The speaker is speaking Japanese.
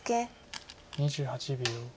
２８秒。